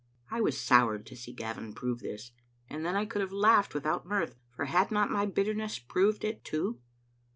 I was soured to see Gavin prove this, and then I could have laughed without mirth, for had not my bitterness proved it too?